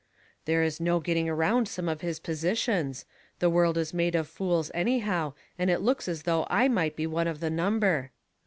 *' There is no getting around some of his positions. The world is made of fools anyhow, and it looks as though I might be one of the number."